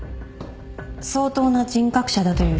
相当な人格者だという評判です。